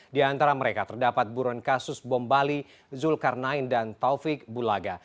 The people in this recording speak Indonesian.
di antara mereka terdapat buruan kasus bom bali zulkarnain dan taufik bulaga